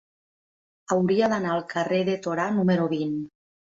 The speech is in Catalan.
Hauria d'anar al carrer de Torà número vint.